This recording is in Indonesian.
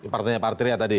partainya pak artiria tadi